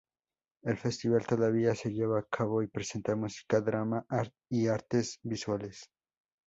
El Festival todavía se lleva a cabo y presenta música, drama y artes visuales.